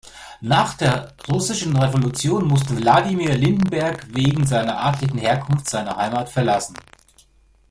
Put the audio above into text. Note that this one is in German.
Nach der Russischen Revolution musste Wladimir Lindenberg wegen seiner adligen Herkunft seine Heimat verlassen.